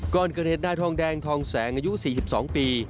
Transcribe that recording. ก่อนเกิดเหตุนายทองแดงทองแสงอายุ๔๒ปี